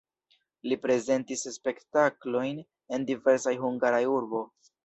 Li prezentis spektaklojn en diversaj hungaraj urboj.